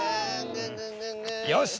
よし！